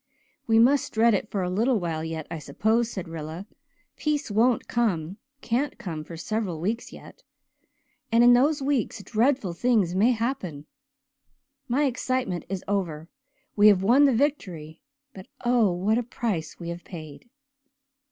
"We must dread it for a little while yet, I suppose," said Rilla. "Peace won't come can't come for some weeks yet. And in those weeks dreadful things may happen. My excitement is over. We have won the victory but oh, what a price we have paid!"